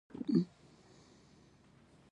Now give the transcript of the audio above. د نویو ژوندونو لټون کول